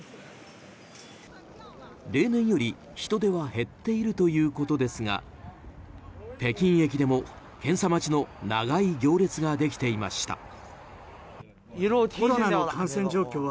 例年より人出は減っているということですが北京駅でも検査待ちの長い行列ができていました。